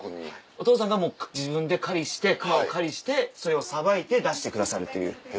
お父さんが自分で狩りしてそれをさばいて出してくださるという。